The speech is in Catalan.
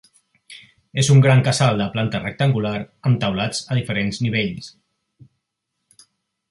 És un gran casal de planta rectangular, amb teulats a diferents nivells.